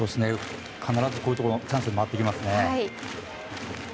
必ず、こういうチャンスに回ってきますね。